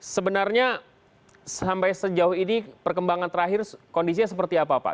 sebenarnya sampai sejauh ini perkembangan terakhir kondisinya seperti apa pak